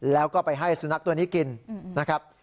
แล้วก็ไปให้สุนัขตัวนี้กินนะครับ